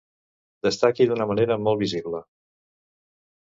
Destaqui d'una manera molt visible.